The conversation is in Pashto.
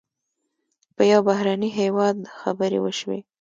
په یو بهرني هېواد خبرې وشوې.